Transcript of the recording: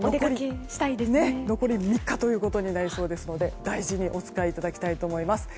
残り３日となりそうですので大事にお使いいただきたいと思います。